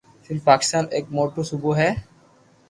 سندھ پاڪستان رو ايڪ موٽو صوبو ھي